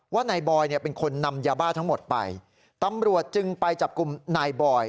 ว่านายบอยเนี่ยเป็นคนนำยาบ้าทั้งหมดไปตำรวจจึงไปจับกลุ่มนายบอย